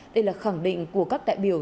đây là khẳng định của các đại biểu